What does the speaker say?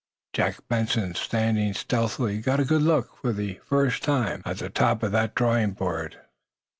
Jack Benson, standing stealthily, got a good look, for the first time, at the top of that drawing board.